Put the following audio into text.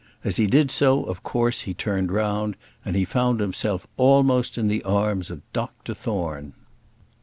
As he did so, of course he turned round, and he found himself almost in the arms of Dr Thorne.